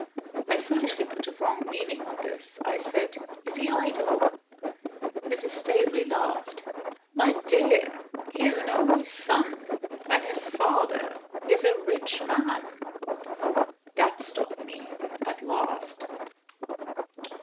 I foolishly put a wrong meaning on this. I said: "Is he idle?" Mrs. Staveley laughed. "My dear, he is an only son and his father is a rich man." That stopped me at last.